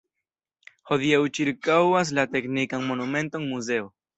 Hodiaŭ ĉirkaŭas la teknikan monumenton muzeo.